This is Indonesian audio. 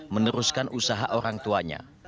meneruskan usaha orang tuanya